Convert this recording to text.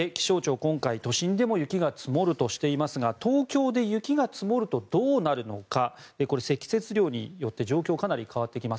今回、都心でも雪が積もるとしていますが東京で雪が積もるとどうなるのかこれ、積雪量によって状況がかなり変わってきます。